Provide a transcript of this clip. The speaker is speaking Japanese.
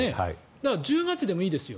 だから１０月でもいいですよ